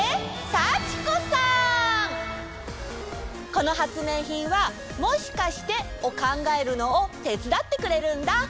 このはつめいひんは「もしかして」をかんがえるのをてつだってくれるんだ。